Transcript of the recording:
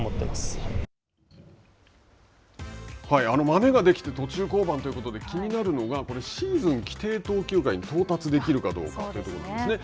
まめができて途中降板ということで、気になるのが、シーズン規定投球回に到達できるかということなんですね。